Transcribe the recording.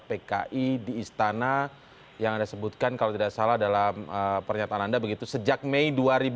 pki di istana yang anda sebutkan kalau tidak salah dalam pernyataan anda begitu sejak mei dua ribu dua puluh